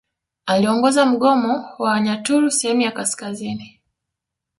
Aliongoza mgomo wa Wanyaturu sehemu ya kaskazini